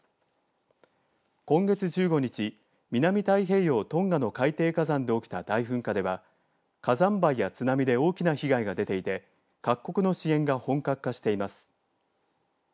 今月１５日南太平洋トンガの海底火山で起きた大噴火では火山灰や津波で大きな被害が出ていて各国の支援が本格化しています。